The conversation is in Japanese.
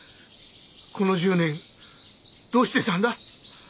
この１０年どうしてたんだ？